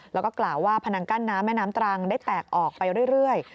แล้วก็กล่าวว่าพนังกั้นน้ำแม่น้ำตรังได้แตกออกไปเรื่อย